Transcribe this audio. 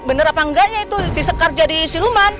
bener apa enggaknya itu si sekar jadi siluman